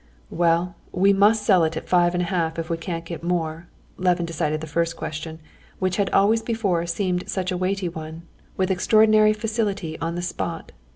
"Well, we must sell it at five and a half if we can't get more," Levin decided the first question, which had always before seemed such a weighty one, with extraordinary facility on the spot.